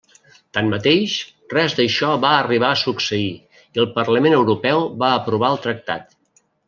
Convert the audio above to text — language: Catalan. Tanmateix, res d'això va arribar a succeir i el Parlament Europeu va aprovar el Tractat.